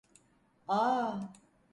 Aaaa!